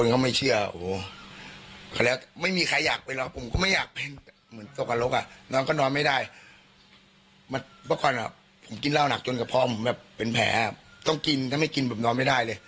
เขาไม่เชื่อครับเขาไม่เคยเห็นเคสนี้เลย